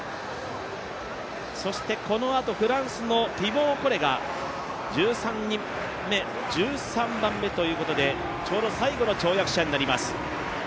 そしてこのあとフランスのティボー・コレが１３番目ということでちょうど最後の跳躍者になります。